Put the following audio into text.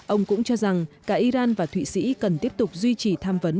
ông cũng cho rằng cả iran và thụy sĩ cần tiếp tục duy trì tham vấn